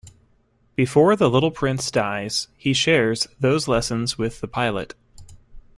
Before the Little Prince dies, he shares those lessons with The Pilot.